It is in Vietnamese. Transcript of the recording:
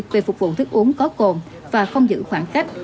về phục vụ thức uống có cồn và không giữ khoảng cách